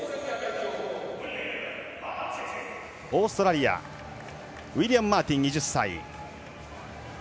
オーストラリアウィリアム・マーティン、２０歳。